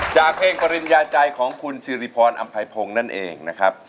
จากเพลงปริญญาใจของคุณสิริพรอำไพพงศ์นั่นเองนะครับ